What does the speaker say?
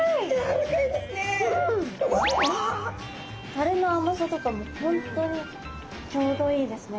タレの甘さとかも本当にちょうどいいですね。